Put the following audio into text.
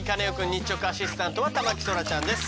日直アシスタントは田牧そらちゃんです。